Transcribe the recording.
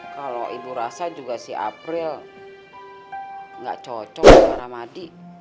kalau ibu rasa juga si april nggak cocok sama ramadi